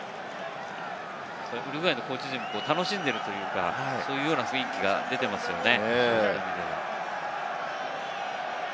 ウルグアイのコーチ陣も楽しんでいるかというか、そういう雰囲気が出ていますよね。